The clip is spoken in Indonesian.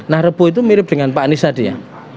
nah rebuh itu mirip dengan pak anies tadi ya